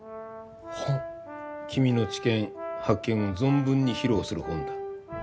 君の知見発見を存分に披露する本だ。